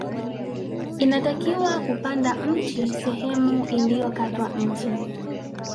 Inatakiwa kupanda mti sehemu iliyokatwa mti